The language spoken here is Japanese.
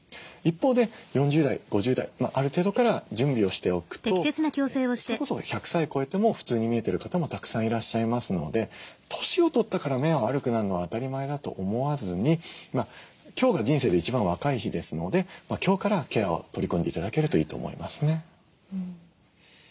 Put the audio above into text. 一方で４０代５０代ある程度から準備をしておくとそれこそ１００歳超えても普通に見えてる方もたくさんいらっしゃいますので年を取ったから目は悪くなるのは当たり前だと思わずに今日が人生で一番若い日ですので今日からケアを取り組んで頂けるといいと思いますね。